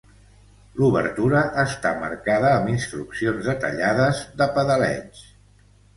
L'obertura està marcada amb instruccions detallades de pedaleig.